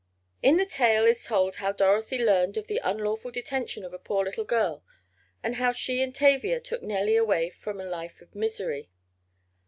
In the tale is told how Dorothy learned of the unlawful detention of a poor little girl, and how she and Tavia took Nellie away from a life of misery.